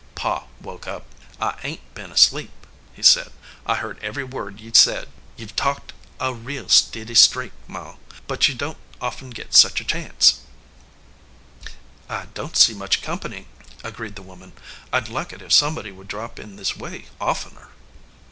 Pa woke up. "I ain t been asleep," he said. "I heard every word ye ve said. Ye ve talked a real 295 EDGEWATER PEOPLE stiddy streak, Ma, but you don t often git such a chance." "I don t see much company," agreed the woman. "I d like it if somebody would drop in this way oftener."